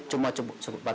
cuma sebatas itu doang